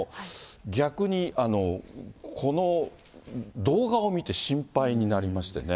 逆に、この動画を見て心配になりましてね。